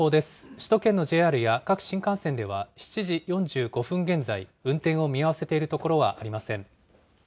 首都圏のＪＲや各新幹線では、７時４５分現在、運転を見合わせているところはありません。